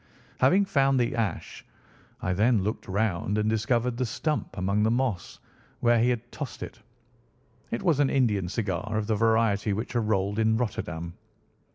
Having found the ash, I then looked round and discovered the stump among the moss where he had tossed it. It was an Indian cigar, of the variety which are rolled in Rotterdam."